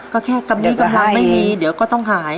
ก็แค่กำหนี้กำลังไม่มีเดี๋ยวก็ต้องหาย